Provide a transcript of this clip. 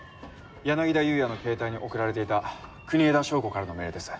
柳田裕也の携帯に送られていた国枝祥子からのメールです。